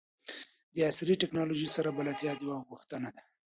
د عصري ټکنالوژۍ سره بلدتیا د وخت غوښتنه ده.